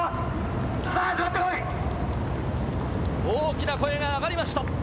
大きな声が上がりました！